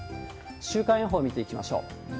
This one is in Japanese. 週間予報見ていきましょう。